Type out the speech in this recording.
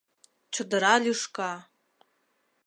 ЧОДЫРА ЛӰШКА